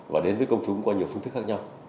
và đến với công chúng qua nhiều phương thức khác nhau